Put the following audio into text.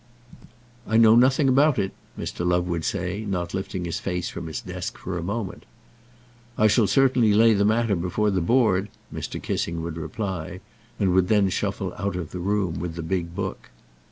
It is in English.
"I know nothing about it," Mr. Love would say, not lifting his face from his desk for a moment. "I shall certainly lay the matter before the Board," Mr. Kissing would reply, and would then shuffle out of the room with the big book.